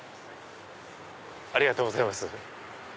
ありがとうございます。